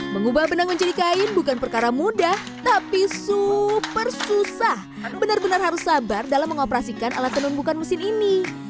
mengubah benang menjadi kain bukan perkara mudah tapi super susah benar benar harus sabar dalam mengoperasikan alat tenun bukan mesin ini